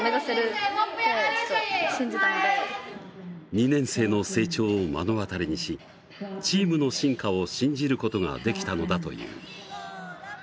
２年生の成長を目の当たりにしチームの進化を信じることができたのだという。